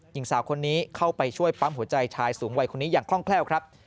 หญิงสาวคนนี้เข้าไปช่วยปั๊มหัวใจชายสูงวัยคนนี้อย่างคล่องแคล่วครับ